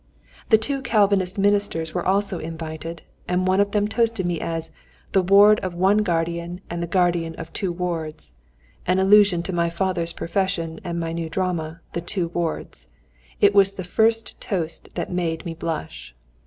The two Calvinist ministers were also invited, and one of them toasted me as "the ward of one guardian and the guardian of two wards" (an allusion to my father's profession and my new drama, The Two Wards); it was the first toast that made me blush.